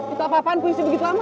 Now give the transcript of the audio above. itu apa apaan puisi begitu lama